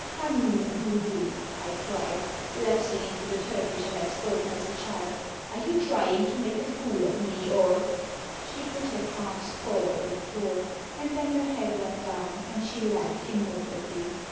"Hanoum doudou,'' I cried, lapsing into the Turkish I had spoken as a child. "Are you trying to make a fool of me, or —" She put her palms forward on the floor, and then her head went down and she laughed immoderately.